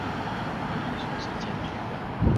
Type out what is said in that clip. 可以說是兼具了